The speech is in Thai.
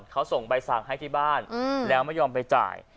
เขาส่งใบสั่งให้ที่บ้านแล้วไม่ยอมไปจ่าย